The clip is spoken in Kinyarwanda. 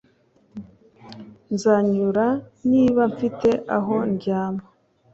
Nzanyura niba mfite aho ndyama.